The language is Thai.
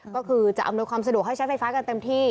ก็คือจะอำนวยความสะดวกให้ใช้ไฟฟ้ากันเต็มที่